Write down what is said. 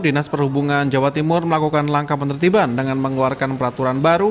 dinas perhubungan jawa timur melakukan langkah penertiban dengan mengeluarkan peraturan baru